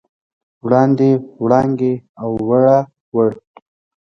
وړاندې، وړانګې، اووړه، وړ